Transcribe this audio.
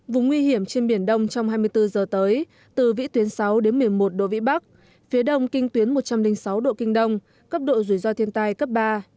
vùng nguy hiểm trên biển đông trong hai mươi bốn giờ tới từ vĩ tuyến sáu đến một mươi một độ vĩ bắc phía đông kinh tuyến một trăm linh sáu độ kinh đông cấp độ rủi ro thiên tai cấp ba